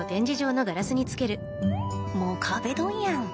もう壁ドンやんと